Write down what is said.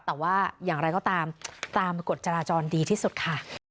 แต่ว่าอย่างไรก็ตามตามกฎจราจรดีที่สุดค่ะ